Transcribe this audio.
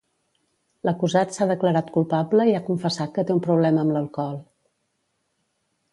L'acusat s'ha declarat culpable i ha confessat que té un problema amb l'alcohol.